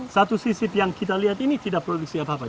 satu sisip yang kita lihat ini tidak produksi apa apa